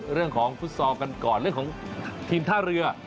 เรื่องของฟุตซอลกันก่อนเรื่องของทีมท่าเรือ